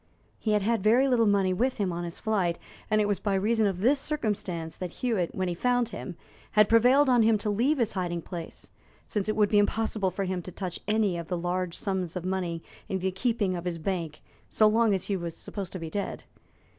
He had had very little money with him on his flight, and it was by reason of this circumstance that Hewitt, when he found him, had prevailed on him to leave his hiding place, since it would be impossible for him to touch any of the large sums of money in the keeping of his bank so long as he was supposed to be dead.